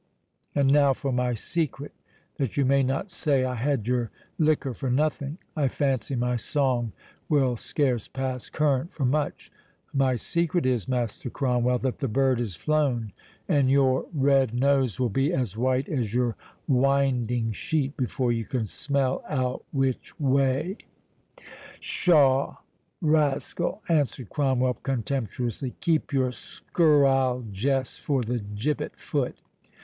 And now for my secret, that you may not say I had your liquor for nothing—I fancy my song will scarce pass current for much—My secret is, Master Cromwell—that the bird is flown—and your red nose will be as white as your winding sheet before you can smell out which way." "Pshaw, rascal," answered Cromwell, contemptuously, "keep your scurrile jests for the gibbet foot."